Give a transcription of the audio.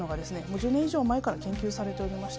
１０年以上前から研究されておりまして。